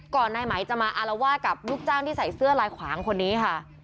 นายไหมจะมาอารวาสกับลูกจ้างที่ใส่เสื้อลายขวางคนนี้ค่ะ